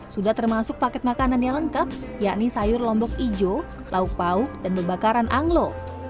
sudah termasuk paket makanan yang lengkap yakni sayur lombok ijo lauk pauk dan bebakaran anglo